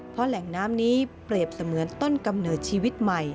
เพราะแหล่งน้ำนี้เปรียบเสมือนต้นกำเนิดชีวิตใหม่